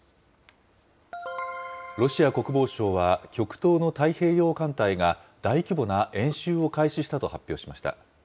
ロシア国防省は、極東の太平洋艦隊が大規模な演習を開始したと発表しました。